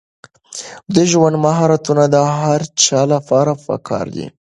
د ژوند مهارتونه د هر چا لپاره پکار دي.